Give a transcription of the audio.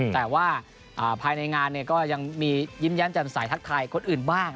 แต่ว่าภายในงานก็ยังมียิ้มแย้มจำสายทักทายคนอื่นบ้าง